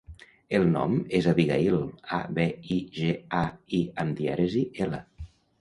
El nom és Abigaïl: a, be, i, ge, a, i amb dièresi, ela.